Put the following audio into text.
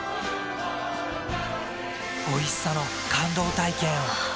おいしさの感動体験を。